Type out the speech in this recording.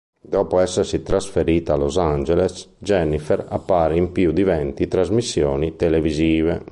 Dopo essersi trasferita a Los Angeles, Jennifer apparve in più di venti trasmissioni televisive.